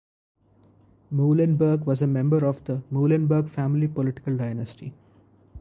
Muhlenburg was a member of the Muhlenberg Family political dynasty.